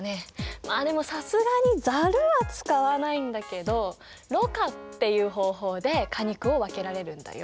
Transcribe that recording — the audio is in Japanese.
まあでもさすがにざるは使わないんだけどろ過っていう方法で果肉を分けられるんだよ。